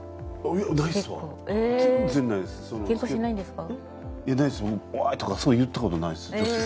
「おい！」とかそういうの言った事ないです。